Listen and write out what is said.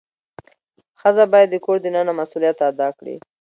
ښځه باید د کور دننه مسؤلیت ادا کړي.